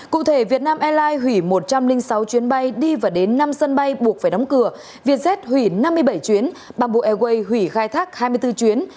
cụ thể việt nam airlines hủy một trăm linh sáu chuyến bay đi và đến năm sân bay buộc phải đóng cửa vietjet hủy năm mươi bảy chuyến bamboo airways hủy khai thác hai mươi bốn chuyến